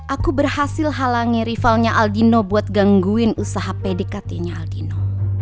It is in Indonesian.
aku berhasil halangi rivalnya aldino buat gangguin usaha pdkt nya aldino